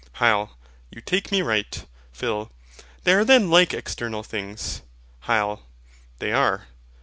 HYL. You take me right. PHIL. They are then like external things? HYL. They are.